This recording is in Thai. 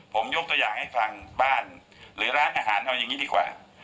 ผมยกตัวอย่างให้ฟังบ้านหรือร้านอาหารเอาอย่างนี้ดีกว่า